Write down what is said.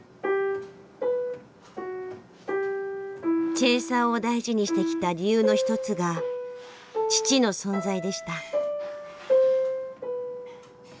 チェーサーを大事にしてきた理由の一つが父の存在でした。